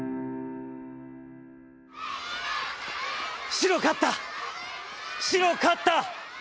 「白勝った、白勝った。